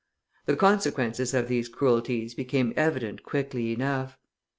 The consequences of these cruelties became evident quickly enough.